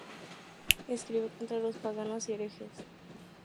Escribió contra los paganos y herejes.